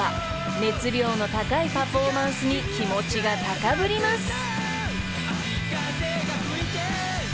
［熱量の高いパフォーマンスに気持ちが高ぶります］